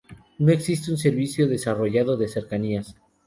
No existe un servicio desarrollado de cercanías.